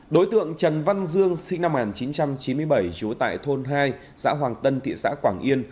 đối tượng trần văn dương sinh năm một nghìn chín trăm chín mươi bảy trú tại thôn hai xã hoàng tân thị xã quảng yên